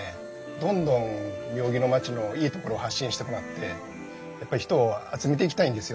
どんどん妙義の町のいいところを発信してもらってやっぱり人を集めていきたいんですよね。